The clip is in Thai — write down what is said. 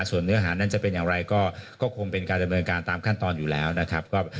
ส่วนเนื้อหานั้นจะเป็นอย่างไรก็คงเป็นการดำเนินการตามขั้นตอนอยู่แล้วนะครับ